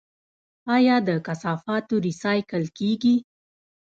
آیا د کثافاتو ریسایکل کیږي؟